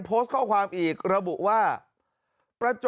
มีพฤติกรรมเสพเมถุนกัน